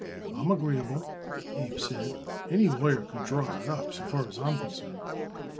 "I am agreeable," Abe said; "any lawyer could draw it up, so far as I am concerned."